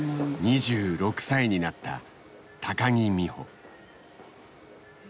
２６歳になった木美帆。